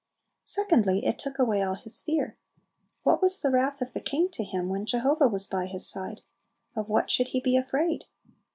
Secondly, it took away all his fear. What was "the wrath of the king" to him, when Jehovah was by his side? Of what should he be afraid?